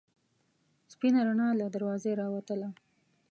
سپینه رڼا له دروازې راوتله.